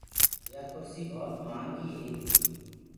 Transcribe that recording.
يآ ڪُرسي ڀوت مهآنگيٚ هي۔